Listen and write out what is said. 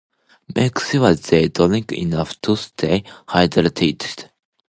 Make sure they drink enough to stay hydrated.